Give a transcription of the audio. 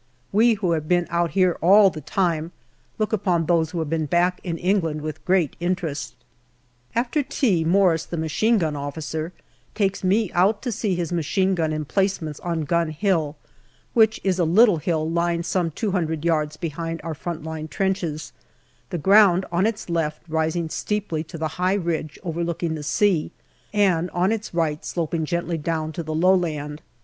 We who have been out here all the time look upon those who have been back in England with great interest. After tea, Morris, the Machine Gun Officer, takes me out to see his machine gun emplacements on Gun Hill, which is a little hill lying some two hundred yards behind our front line trenches, the ground on its left rising steeply to the high ridge overlooking the sea, and on its right sloping gently down to the low land.